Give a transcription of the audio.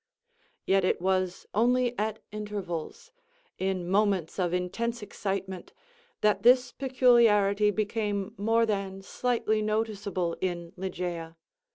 Yet it was only at intervals—in moments of intense excitement—that this peculiarity became more than slightly noticeable in Ligeia.